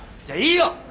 じゃあいいよ。